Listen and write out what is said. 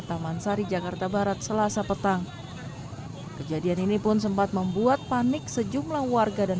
taman sari jakarta barat selasa petang kejadian ini pun sempat membuat panik sejumlah warga dan